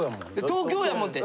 「東京やもん」って？